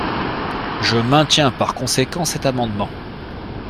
Je maintiens par conséquent cet amendement.